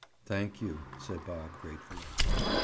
"Thank you," said Bob gratefully.